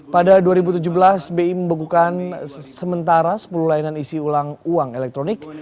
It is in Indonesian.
pada dua ribu tujuh belas bi membekukan sementara sepuluh layanan isi ulang uang elektronik